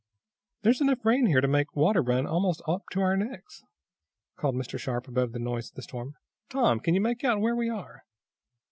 "There's enough rain to make water run almost up to our necks," called Mr. Sharp, above the noise of the storm. "Tom, can you make out where we are?"